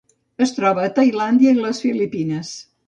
Es troba a Tailàndia i les Filipines.